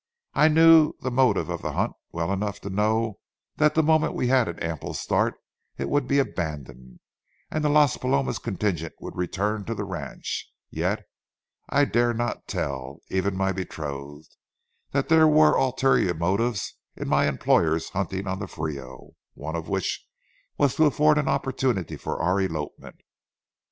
I knew the motive of the hunt well enough to know that the moment we had an ample start it would be abandoned, and the Las Palomas contingent would return to the ranch. Yet I dare not tell, even my betrothed, that there were ulterior motives in my employer's hunting on the Frio, one of which was to afford an opportunity for our elopement.